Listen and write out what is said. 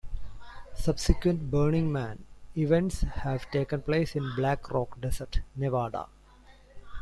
Subsequent Burning Man events have taken place in Black Rock Desert, Nevada.